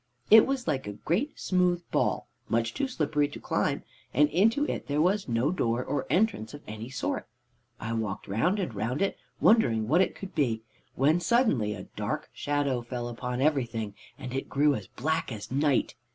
It was like a great smooth ball, much too slippery to climb, and into it there was no door or entrance of any sort. I walked round and round it, wondering what it could be, when suddenly a dark shadow fell upon everything and it grew black as night.